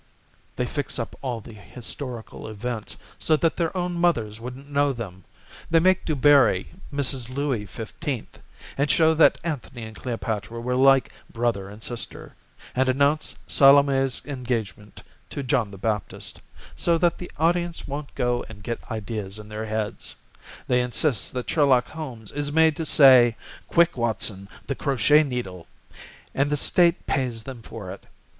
They fix up all the historical events So that their own mothers wouldn't know them. They make Du Barry Mrs. Louis Fifteenth, And show that Anthony and Cleopatra were like brother and sister, And announce Salome's engagement to John the Baptist, So that the audiences won't go and get ideas in their heads. They insist that Sherlock Holmes is made to say, "Quick, Watson, the crochet needle!" And the state pays them for it.